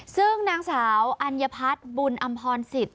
ซึ่งนางสาวอัญพัฒน์บุญอำพรสิทธิ